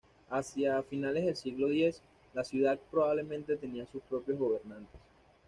Hacia finales del siglo X, la ciudad probablemente tenía sus propios gobernantes.